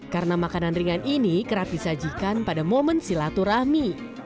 karena makanan ringan ini kerap disajikan pada momen silaturahmi